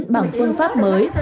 bằng phương pháp mới